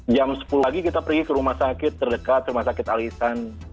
jam sepuluh lagi kita pergi ke rumah sakit terdekat rumah sakit alisan